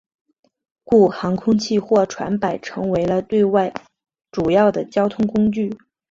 故航空器或船舶成为了对外主要的交通工具。